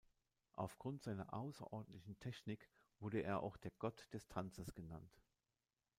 Aufgrund seiner außerordentlichen Technik wurde er auch der „Gott des Tanzes“ genannt.